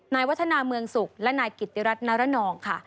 นายวัฒนาเมืองศุกร์และนายกิติรัตน์นารนองค่ะ